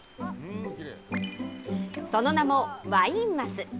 その名もワイン鱒。